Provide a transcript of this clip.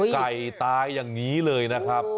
ไก่ตายอย่างนี้เลยนะครับ